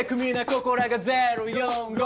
ここらが ０４５